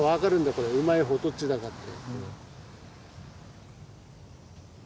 これうまい方どっちだかって。